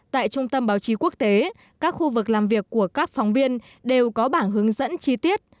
tại trung tâm báo chí quốc tế các khu vực làm việc của các phóng viên đều có bảng hướng dẫn chi tiết